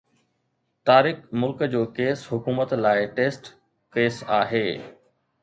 طارق ملڪ جو ڪيس حڪومت لاءِ ٽيسٽ ڪيس آهي.